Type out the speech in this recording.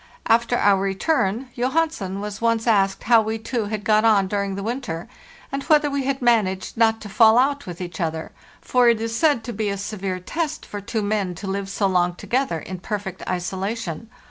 After our return, Johansen was once asked how we two had got on during the winter, and whether we had managed not to fall out with each other; for it is said to be a severe test for two men to live so long together in perfect isolation.